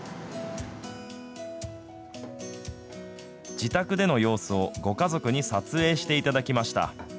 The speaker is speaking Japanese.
自宅での様子をご家族に撮影していただきました。